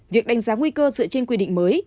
việc đánh giá nguy cơ dựa trên quy định mới